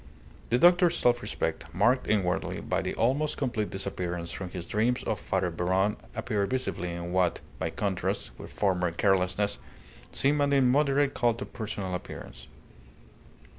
The doctor's self respect marked inwardly by the almost complete disappearance from his dreams of Father Beron appeared visibly in what, by contrast with former carelessness, seemed an immoderate cult of personal appearance.